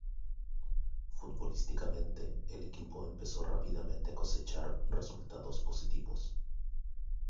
Futbolísticamente el equipo empezó rápidamente a cosechar resultados positivos.